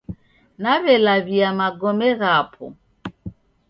Nawelawia Magome ghapo